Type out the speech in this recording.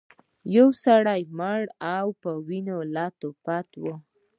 یو سړی مړ و او په وینو لیت پیت و.